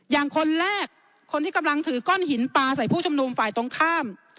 อย่างคนแรกคนที่กำลังถือก้อนหินปลาใส่ผู้ชุมนุมฝ่ายตรงข้าม